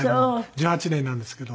１８年になるんですけど。